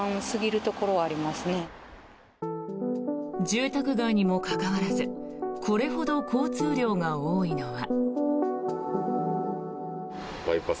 住宅街にもかかわらずこれほど交通量が多いのは。